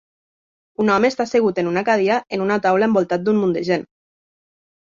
Un home està assegut en una cadira en una taula envoltat d'un munt de gent.